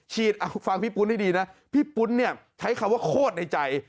ฟังพี่ปุ้นให้ดีนะพี่ปุ้นเนี่ยใช้คำว่าโคตรในใจ